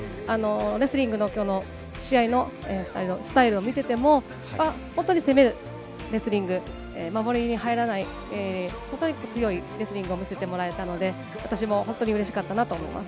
レスリングの、きょうの試合のスタイルを見てても、本当に攻めるレスリング、守りに入らない、本当に強いレスリングを見せてもらえたので、私も本当にうれしかったなと思います。